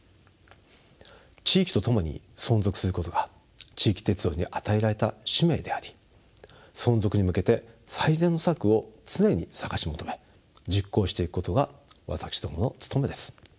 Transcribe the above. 地域と共に存続することが地域鉄道に与えられた使命であり存続に向けて最善の策を常に探し求め実行していくことが私どもの務めです。